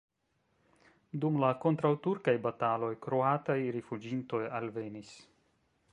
Dum la kontraŭturkaj bataloj kroataj rifuĝintoj alvenis.